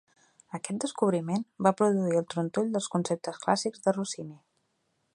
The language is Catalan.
Aquest descobriment va produir el trontoll dels conceptes clàssics de Rossini.